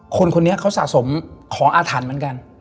คนนี้เขาสะสมของอาถรรพ์เหมือนกัน